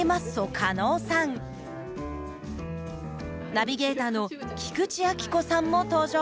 ナビゲーターの菊池亜希子さんも登場。